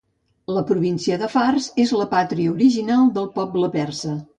La província de Fars és la pàtria original del poble persa.